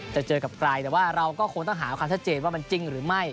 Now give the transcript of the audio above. จะเจอกับใครแต่ว่าเราก็คงต้องหาความชัดเจนว่ามันจริงหรือไม่